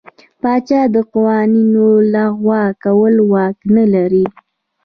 پاچا د قوانینو لغوه کولو واک نه لري.